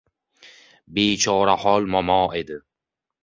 Bechorahol momo edi.